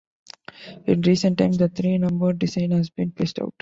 In recent times, the three-numbered design has been phased out.